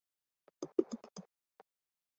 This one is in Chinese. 莫尔斯最初将他的理论用于测地线。